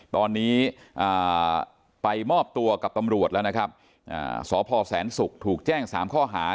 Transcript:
ตอนนี้ไปมอบตัวกับตำรวจแล้วนะครับสพแสนศุกร์ถูกแจ้ง๓ข้อหา